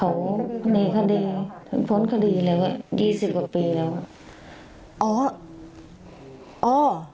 เปล่าเขาในคดีพ้นคดีแล้วอ่ะ๒๐กว่าปีแล้ว